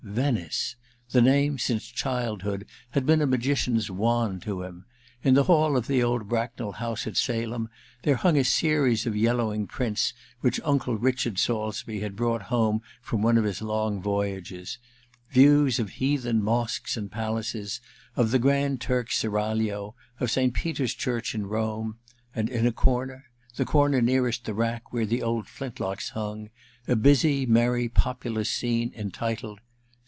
Venice! The name, since childhood, had been a magi cian's wand to him. In the hall of the old Bracknell house at Salem there hung a series 3»5 3i6 A VENETIAN NIGHTS i of yellowing prints which Unde Richard SaiUsbee had brought home from one of his long voyages : views of heathen mosques and palaces, of the Grand Turk's Seraglio, of St. Peter's Church in Rome ; and, in a corner — the corner nearest the rack where the old flintlocks hung — d, busy merry populous scene entitled : Sf.